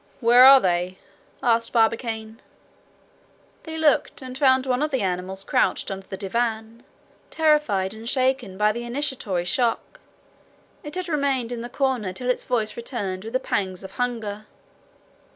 "Where are they?" asked Barbicane. They looked and found one of the animals crouched under the divan. Terrified and shaken by the initiatory shock, it had remained in the corner till its voice returned with the pangs of hunger.